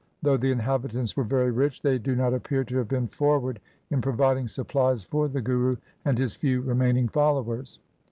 Though the inhabitants were very rich, they do not appear to have been forward in providing supplies for the Guru and his few remaining followers.